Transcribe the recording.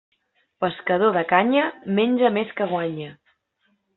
Pescador de canya, menja més que guanya.